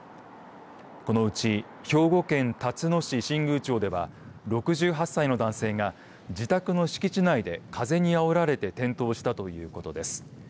このうち兵庫県たつの市新宮町では６８歳の男性が自宅の敷地内で風にあおられて転倒したということです。